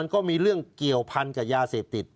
โหในช